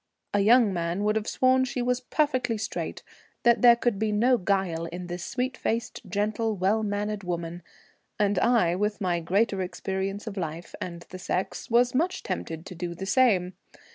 A young man would have sworn she was perfectly straight, that there could be no guile in this sweet faced, gentle, well mannered woman; and I, with my greater experience of life and the sex, was much tempted to do the same.